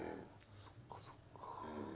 そっかそっか。